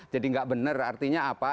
jadi nggak bener artinya apa